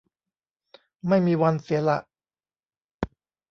ไม่มีวันเสียละ